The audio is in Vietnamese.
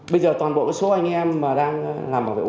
bây giờ toàn bộ số anh em đang làm